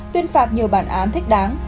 tuyên phạt nhiều bản án thích đáng